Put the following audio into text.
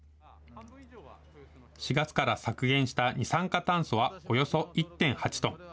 ４月から削減した二酸化炭素はおよそ１．８トン。